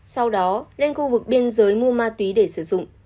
sau đó lên khu vực biên giới mua ma túy để sử dụng